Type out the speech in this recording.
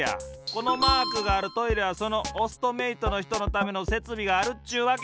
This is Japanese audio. このマークがあるトイレはそのオストメイトのひとのためのせつびがあるっちゅうわけ。